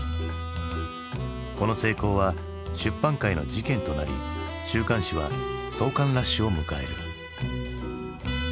この成功は出版界の事件となり週刊誌は創刊ラッシュを迎える。